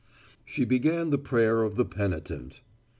She began the prayer of the penitent.